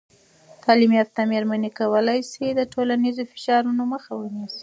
تعلیم یافته میرمنې کولی سي د ټولنیز فشارونو مخه ونیسي.